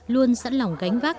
luôn sẵn lòng gánh vác